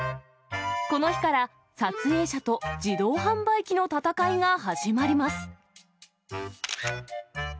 この日から撮影者と自動販売機の戦いが始まります。